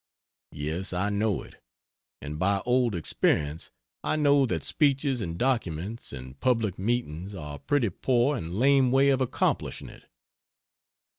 Yes, I know it; and by old experience I know that speeches and documents and public meetings are a pretty poor and lame way of accomplishing it.